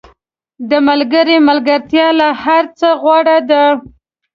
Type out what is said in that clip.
• د ملګري ملګرتیا له هر څه غوره ده.